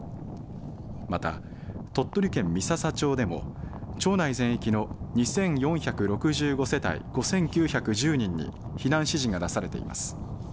また鳥取県三朝町でも町内全域の２４６５世帯５９１０人に避難指示が出されています。